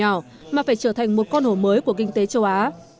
một con miếng mèo nhỏ mà phải trở thành một con hổ mới của kinh tế châu á